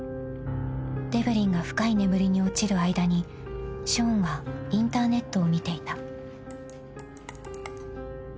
［デブリンが深い眠りに落ちる間にショーンはインターネットを見ていた］